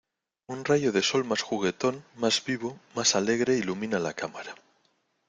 un rayo de sol más juguetón, más vivo , más alegre , ilumina la cámara